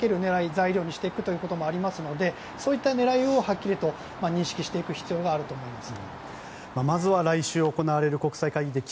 日本に揺さぶりをかける狙い材料にしていく狙いもありますのでそういった狙いをはっきりと認識していく必要があると思います。